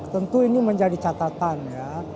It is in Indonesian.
tentu ini menjadi catatan ya